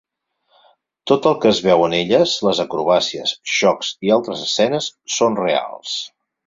Tot el que es veu en elles, les acrobàcies, xocs i altres escenes són reals.